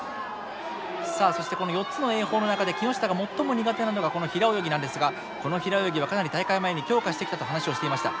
さあそしてこの４つの泳法の中で木下が最も苦手なのがこの平泳ぎなんですがこの平泳ぎはかなり大会前に強化してきたと話をしていました。